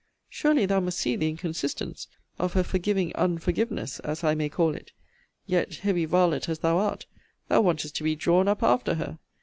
Surely thou must see the inconsistence of her forgiving unforgiveness, as I may call it! yet, heavy varlet as thou art, thou wantest to be drawn up after her!